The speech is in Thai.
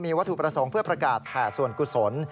วัตถุประสงค์เพื่อประกาศแผ่ส่วนกุศล